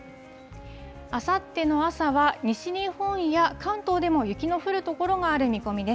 あさっての朝は、西日本や関東でも雪の降る所がある見込みです。